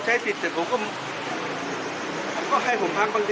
ใช้สิทธิ์เสร็จผมก็ให้ผมพักบางที